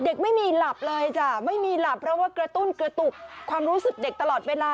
เด็กไม่มีหลับเลยจ้ะไม่มีหลับเพราะว่ากระตุ้นกระตุกความรู้สึกเด็กตลอดเวลา